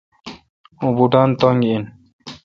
اوں بوٹان تنگ این۔